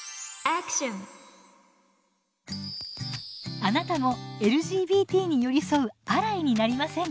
あなたもＬＧＢＴに寄り添うアライになりませんか？